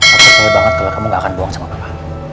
aku kesal banget kalau kamu gak akan bohong sama papa